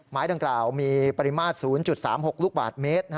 ไม้ดังกล่าวมีปริมาตร๐๓๖ลูกบาทเมตร